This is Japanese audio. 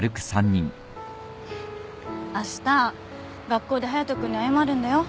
あした学校で隼人君に謝るんだよ